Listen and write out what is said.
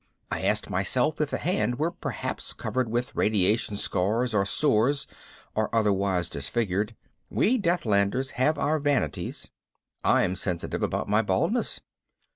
I asked myself if the hand were perhaps covered with radiation scars or sores or otherwise disfigured. We Deathlanders have our vanities. I'm sensitive about my baldness.